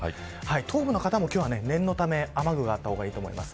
東部の方も今日は念のため雨具があった方がいいと思います。